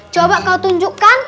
coba kau tunjukkan